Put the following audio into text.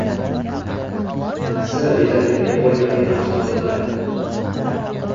C vitaminiga boy tabiiy mahsulotlar